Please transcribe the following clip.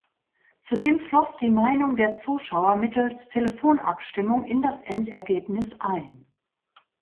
Zudem floss die Meinung der Zuschauer mittels Telefonabstimmung in das Endergebnis ein.